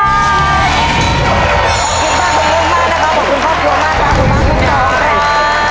ขอบคุณป้าขอบคุณป้า